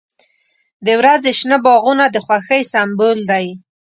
• د ورځې شنه باغونه د خوښۍ سمبول دی.